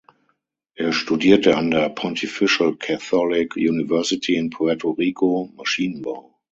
Er studierte an der Pontifical Catholic University in Puerto Rico Maschinenbau.